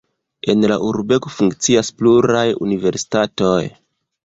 En la urbego funkcias pluraj universitatoj.